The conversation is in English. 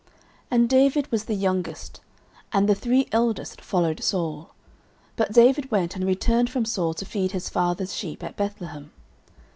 09:017:014 And David was the youngest: and the three eldest followed Saul. 09:017:015 But David went and returned from Saul to feed his father's sheep at Bethlehem.